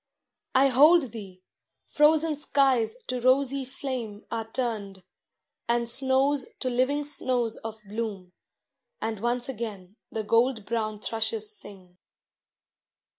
I hold thee frozen skies to rosy flame Are turned, and snows to living snows of bloom, And once again the gold brown thrushes sing.